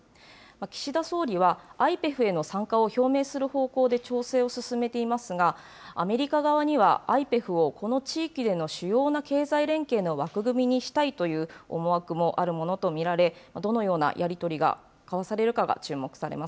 岸田総理はＩＰＥＦへの参加を表明する方向で調整を進めていますが、アメリカ側にはＩＰＥＦをこの地域での主要な経済連携の枠組みにしたいという思惑もあるものと見られ、どのようなやり取りが交わ